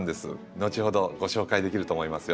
後ほどご紹介できると思いますよ。